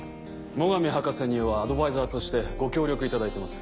最上博士にはアドバイザーとしてご協力いただいています。